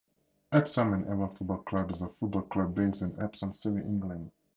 Epsom and Ewell Football Club is a football club based in Epsom, Surrey, England.